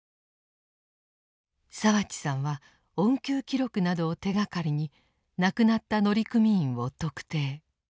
澤地さんは恩給記録などを手がかりに亡くなった乗組員を特定。